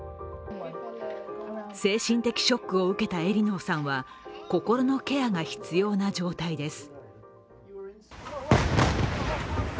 精神的ショックを受けたエリノーさんは心のケアが必要な状態です。